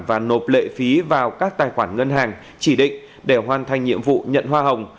và nộp lệ phí vào các tài khoản ngân hàng chỉ định để hoàn thành nhiệm vụ nhận hoa hồng